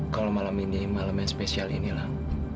kalau malam ini malaman spesial inilah